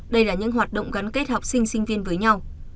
đây là những hoạt động gắn kết học sinh sinh viên với nhau